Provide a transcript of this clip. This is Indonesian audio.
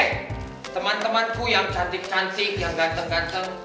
eh teman temanku yang cantik cantik yang ganteng ganteng